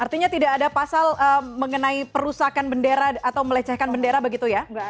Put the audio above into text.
artinya tidak ada pasal mengenai perusakan bendera atau melecehkan bendera begitu ya